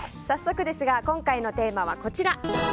早速ですが今回のテーマはこちら。